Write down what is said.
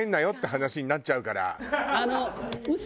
話になっちゃうから。